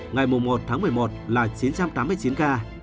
ngày một tháng một mươi một là chín trăm tám mươi chín ca